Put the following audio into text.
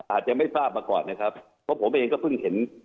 อาจจะไม่ทราบมาก่อนนะครับเพราะผมเองก็เพิ่งเห็น